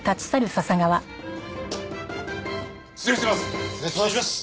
失礼します！